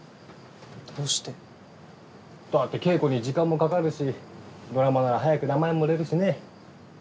だって稽古に時間もかかるしドラマなら早く名前も売れるしね。